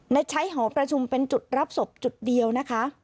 และใช้หอประชุมเป็นจุดรับศพจุดเดียวนะคะ